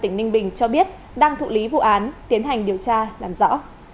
tỉnh ninh bình cho biết đang thụ lý vụ án tiến hành điều tra làm rõ